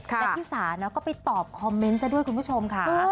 และพี่สานะก็ไปตอบคอมเมนต์ซะด้วยคุณผู้ชมค่ะ